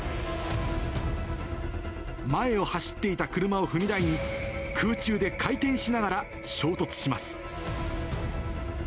前を走っていた車を踏み台に、空中で回転しながら衝突します。